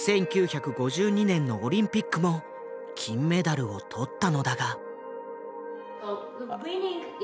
１９５２年のオリンピックも金メダルを取ったのだが。